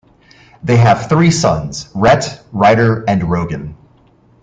They have three sons: Rhett, Ryder, and Rogan.